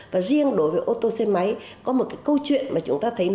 và riêng đối với ô tô xe máy có một câu chuyện mà chúng ta thấy là